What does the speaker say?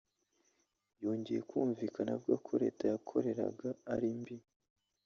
yongeye kumvikana avuga ko Leta yakoreraga ari mbi